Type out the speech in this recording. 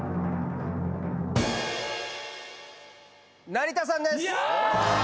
成田さんです。